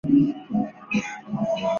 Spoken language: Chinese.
卡勒西莫担任代理总教练。